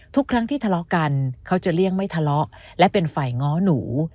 ทุกครั้งที่ทะเลาะกันเขาจะเลี่ยงไม่ทะเลาะและเป็นฝ่ายง้อหนู